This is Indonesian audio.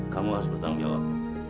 kamu harus bertanggung jawab